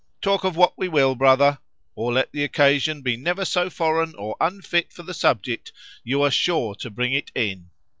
—Talk of what we will, brother,——or let the occasion be never so foreign or unfit for the subject,—you are sure to bring it in.